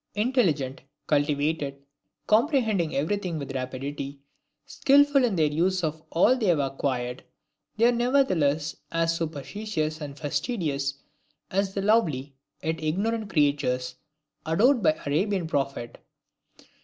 Intelligent, cultivated, comprehending every thing with rapidity, skillful in the use of all they have acquired; they are nevertheless as superstitious and fastidious as the lovely yet ignorant creatures adored by the Arabian prophet.